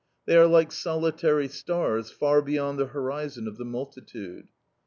They are like solitary stars, far beyond the horizon of the multitude.